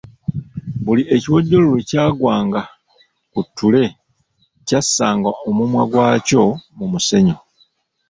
Buli ekiwojjolo lwe kyagwanga ku ttule, kyassanga omumwa gwakyo mu musenyu.